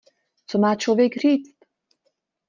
Co má člověk říct?